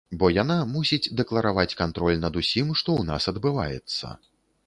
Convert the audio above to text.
Бо яна мусіць дэклараваць кантроль над усім, што ў нас адбываецца.